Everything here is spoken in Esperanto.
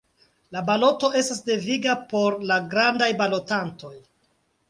La baloto estas deviga por la grandaj balotantoj.